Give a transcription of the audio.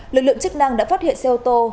lực lượng chức năng đã phát hiện xe ô tô